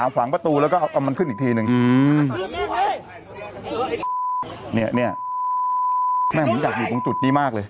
ขวางประตูแล้วก็เอามันขึ้นอีกทีหนึ่งอืมเนี่ยเนี่ยแม่ผมอยากอยู่ตรงจุดนี้มากเลย